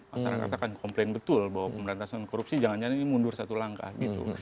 masyarakat akan komplain betul bahwa pemberantasan korupsi jangan jangan ini mundur satu langkah gitu